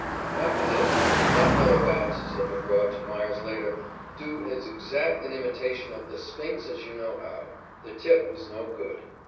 "After this, when that fellow bats," said McGraw to Meyers later, "do as exact an imitation of the sphinx as you know how. The tip was no good."